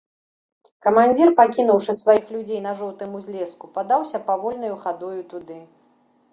Камандзір, пакінуўшы сваіх людзей на жоўтым узлеску, падаўся павольнаю хадою туды.